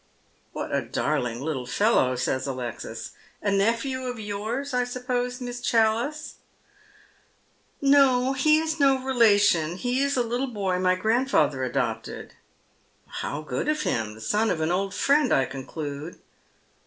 " What a dariing little fellow !" says Alexis. " A nephew of yours, I suppose. Miss Challice ?" "No, he is «o relation. He is a Uttle boy my grandfather adopted." " How good of him ! The son of an old friend, I conclude."